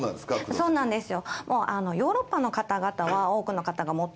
そうなんですよ。